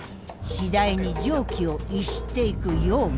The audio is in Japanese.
次第に常軌を逸していく陽馬。